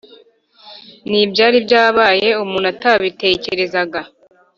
n ibyari byabaye Umuntu atabitekerezaga